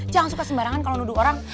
jangan suka sembarangan kalau nuduh orang